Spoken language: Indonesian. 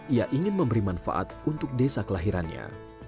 ia ingin memberi manfaat untuk desa kelahirannya